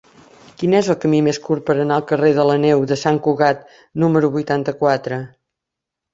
Quin és el camí més curt per anar al carrer de la Neu de Sant Cugat número vuitanta-quatre?